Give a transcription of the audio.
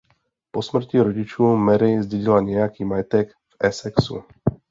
Po smrti rodičů Mary zdědila nějaký majetek v Essexu.